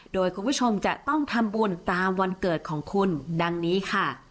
โดยคุณผู้ชมจะต้องทำบุญตามวันเกิดของคุณดังนี้ค่ะ